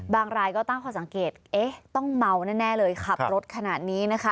บางรายก็ตั้งความสังเกตต้องเมาแน่เลยขับรถขนาดนี้